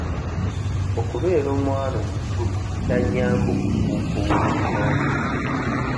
Okubeera omwana omukulu kya nnyamba okufuuka ow'obuvunaanyizibwa.